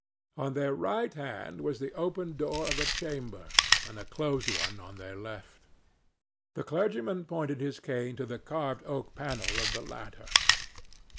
On their right hand was the open door of a chamber, and a closed one on their left. The clergyman pointed his cane to the carved oak panel of the latter.